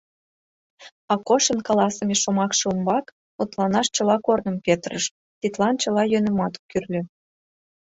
Акошын каласыме шомакше умбак мутланаш чыла корным петырыш, тидлан чыла йӧнымат кӱрльӧ.